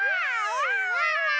ワンワーン！